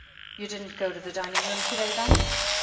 'You didn't go to the dining room to day, then?"